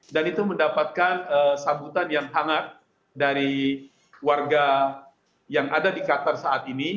dan itu mendapatkan sambutan yang hangat dari warga yang ada di katar saat ini